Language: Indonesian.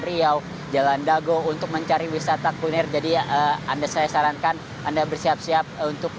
riau jalan dago untuk mencari wisata kuliner jadi anda saya sarankan anda bersiap siap untuk